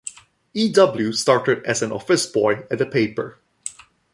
E. W. started as an office boy at the paper.